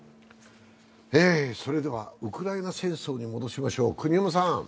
それでは、ウクライナ戦争に戻しましょう。